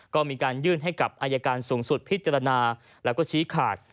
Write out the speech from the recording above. ก็มีการยื่นให้กับอายการสูงสุดพิจารณาแล้วก็ชี้ขาด